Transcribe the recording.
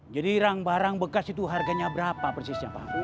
jadi rang barang bekas itu harganya berapa persisnya pak